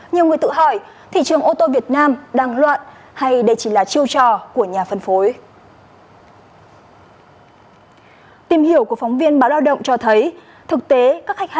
nhiều người tự hỏi thị trường ô tô việt nam đang loạn hay đây chỉ là chiêu dịch